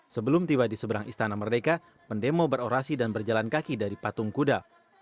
sebelum tiba di seberang istana merdeka pendemo berorasi dan berjalan kaki dari patung kuda